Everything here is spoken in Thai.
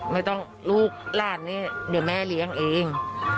ไม่ต้องลูกหลานนี้เดี๋ยวแม่เลี้ยงเอง